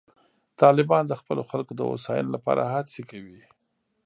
طالبان د خپلو خلکو د هوساینې لپاره هڅې کوي.